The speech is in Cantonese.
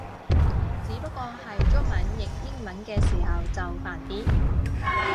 只不過係中文譯英文嘅時候就煩啲